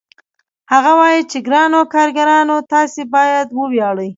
هغه وايي چې ګرانو کارګرانو تاسو باید وویاړئ